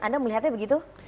anda melihatnya begitu